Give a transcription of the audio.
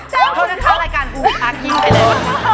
เจ้าคุณค่ะรายการอุ๊ยตาขี้ไปแล้ว